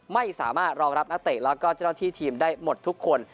ไม่สามารถรองรับนักเตะแล้วก็เจ้าหน้าที่ทีมได้หมดทุกคน